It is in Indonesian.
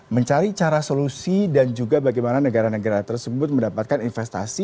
mencari cara solusi dan juga bagaimana negara negara tersebut mendapatkan investasi